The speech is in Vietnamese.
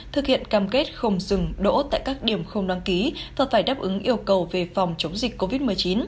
thực hiện cam kết không dừng đỗ tại các điểm không đăng ký và phải đáp ứng yêu cầu về phòng chống dịch covid một mươi chín